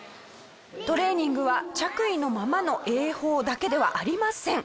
トレーニングは着衣のままの泳法だけではありません。